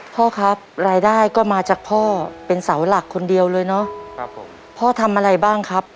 พ่อครับรายได้ก็มาจากพ่อเป็นเสาหลักคนเดียวเลยเนอะครับผมพ่อทำอะไรบ้างครับ